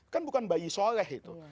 kan bukan bayi soleh itu